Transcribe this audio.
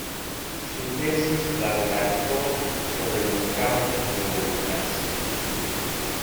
Su tesis la redactó sobre los campos de urnas.